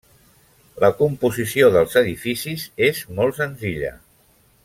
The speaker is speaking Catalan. La composició dels edificis és molt senzilla.